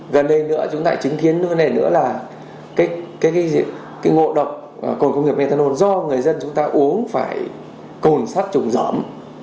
gần đây nữa chúng ta đã chứng kiến gần đây nữa là cái ngộ độc cồn công nghiệp methanol do người dân chúng ta uống phải cồn sắt chủng giỏm